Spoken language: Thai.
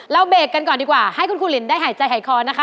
เบรกกันก่อนดีกว่าให้คุณครูลินได้หายใจหายคอนะคะ